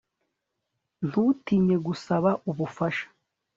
Ntutinye gusaba ubufasha